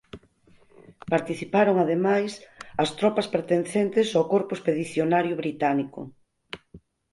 Participaron ademais as tropas pertencentes ao corpo expedicionario británico.